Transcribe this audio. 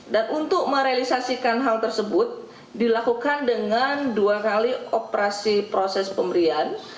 dan untuk merealisasikan hal tersebut dilakukan dengan dua kali operasi proses pemberian